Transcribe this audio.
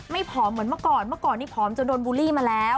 ผอมเหมือนเมื่อก่อนเมื่อก่อนนี้ผอมจนโดนบูลลี่มาแล้ว